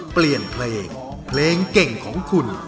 เปลี่ยนเพลงเพลงเก่งของคุณ